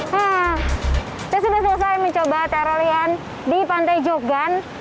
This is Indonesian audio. saya sudah selesai mencoba terorian di pantai jogan